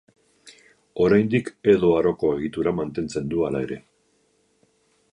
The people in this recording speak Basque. Oraindik Edo Aroko egitura mantentzen du hala ere.